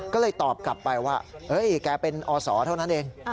ก็เลยตอบกลับไปว่าแกเป็นอศเท่านั้นเอง